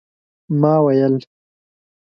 ما ویل